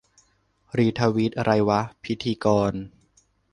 "รีทวีต ไรวะ" - พิธีกร